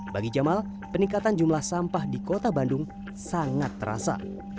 bagi jamal peningkatan jumlah sampah di kota bandung sangat terasa